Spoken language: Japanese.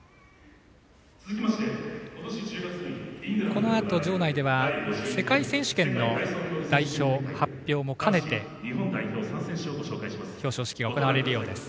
このあと場内では世界選手権の代表発表も兼ねて表彰式が行われるようです。